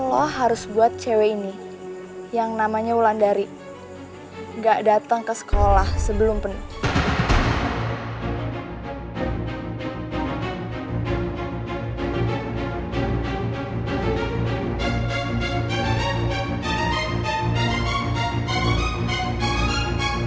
lo harus buat cewek ini yang namanya ulan dari gak datang ke sekolah sebelum penuh